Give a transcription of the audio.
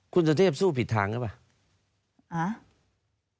คุณสุเทพสู้ผิดทางหรือเปล่า